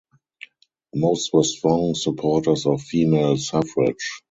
Most were strong supporters of female suffrage.